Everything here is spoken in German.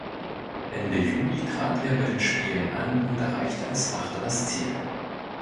Ende Juli trat er bei den Spielen an und erreichte als Achter das Ziel.